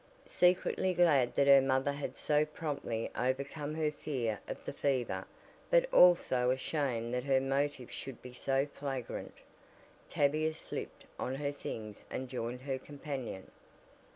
Secretly glad that her mother had so promptly overcome her fear of the fever, but also ashamed that her motive should be so flagrant, Tavia slipped on her things and joined her companion.